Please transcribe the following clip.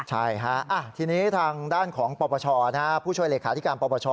ใช่ฮะทีนี้ทางด้านของปปชผู้ช่วยเลขาธิการปปช